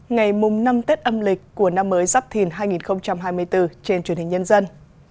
ngày năm tết âm lịch của năm mới giáp thìn hai nghìn hai mươi bốn trên truyền hình nhân dân